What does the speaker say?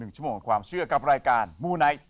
ชั่วโมงความเชื่อกับรายการมูไนท์